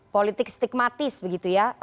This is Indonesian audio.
politik stigmatis begitu ya